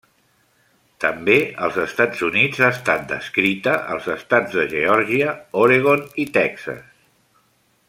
També als Estats Units ha estat descrita als estats de Geòrgia, Oregon i Texas.